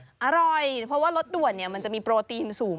อร่อยเพราะว่ารถด่วนมันจะมีโปรตีนสูง